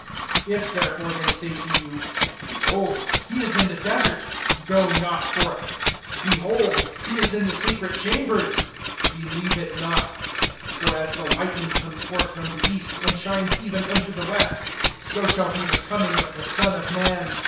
(26)If therefore they say to you: Behold, he is in the desert, go not forth; Behold, he is in the secret chambers, believe it not. (27)For as the lightning comes forth from the east, and shines even unto the west, so shall be the coming of the Son of man.